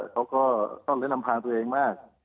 เขาก็ต้องเล้นลำพังตัวเองมาก